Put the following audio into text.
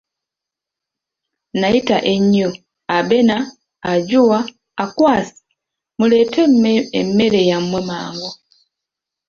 Nayita ennyo, Abena, Ajua, Akwasi, muleete emmere yamwe mangu!